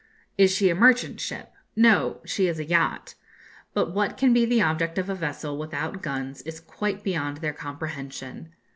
'Is she a merchant ship?' 'No; she is a yacht.' But what can be the object of a vessel without guns is quite beyond their comprehension.